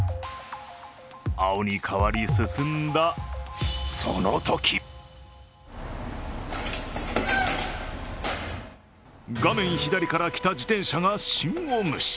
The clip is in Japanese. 青に変わり、進んだそのとき画面左から来た自転車が信号無視。